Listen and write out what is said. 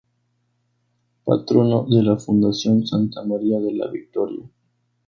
Patrono de la Fundación Santa María de la Victoria.